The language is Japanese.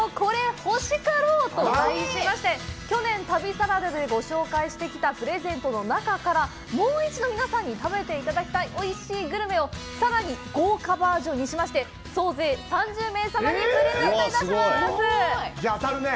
欲しかろう」と題しまして去年「旅サラダ」でご紹介してきたプレゼントの中からもう一度食べてもらいたいおいしいグルメをさらに豪華バージョン７にしまして総勢３０名様にプレゼントいたします！